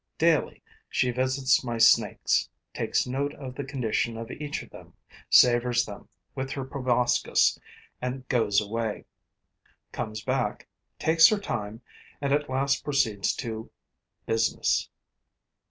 Daily she visits my snakes, takes note of the condition of each of them, savors them with her proboscis, goes away, comes back, takes her time and at last proceeds to business.